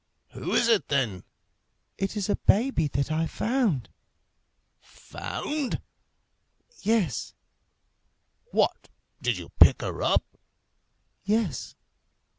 "Who is it then?" "It is a baby that I found." "Found?" "Yes." "What! did you pick her up?" "Yes."